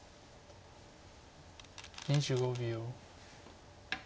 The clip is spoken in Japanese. ２５秒。